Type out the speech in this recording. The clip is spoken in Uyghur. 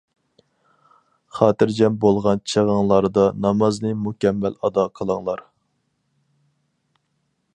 خاتىرجەم بولغان چېغىڭلاردا نامازنى مۇكەممەل ئادا قىلىڭلار.